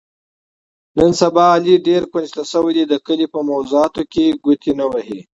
نن سبا علي ډېر کونج ته شوی، د کلي په موضاتو ګوتې نه وهي.